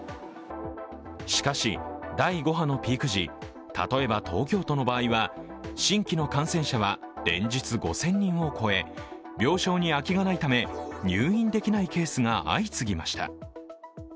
しかし、第５波のピーク時、例えば東京都の場合は新規の感染者は連日５０００人を超え病床に空きがないため入院できないケースが相次ぎました。